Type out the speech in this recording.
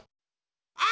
あ！